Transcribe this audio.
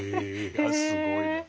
いやすごいな。